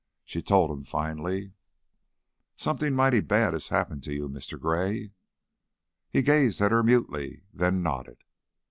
She told him, finally: "Something mighty bad has happened to you, Mr. Gray." He gazed at her mutely, then nodded.